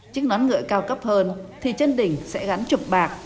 chiếc nón ngựa cao cấp hơn thì trên đỉnh sẽ gắn trục bạc